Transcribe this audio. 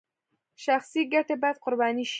شخصي ګټې باید قرباني شي